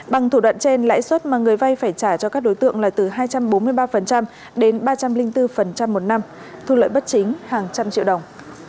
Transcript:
bằng thủ đoạn trên lãi suất mà người vay phải trả cho các đối tượng là từ hai trăm bốn mươi ba đến ba trăm linh bốn một năm thu lợi bất chính hàng trăm triệu đồng